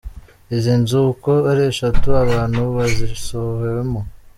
Izi nzu uko ari eshatu abantu bazisohowemo.